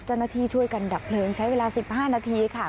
เจ้าหน้าที่ช่วยกันดับเพลิงใช้เวลา๑๕นาทีค่ะ